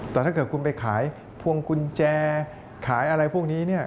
แต่ถ้าเกิดคุณไปขายพวงกุญแจขายอะไรพวกนี้เนี่ย